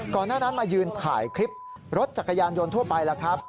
หน้านั้นมายืนถ่ายคลิปรถจักรยานยนต์ทั่วไปแล้วครับ